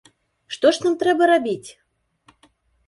Што ж нам трэба рабіць?